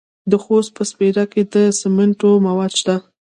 د خوست په سپیره کې د سمنټو مواد شته.